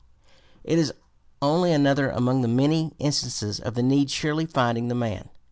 It is only another among the many instances of the need surely finding the man.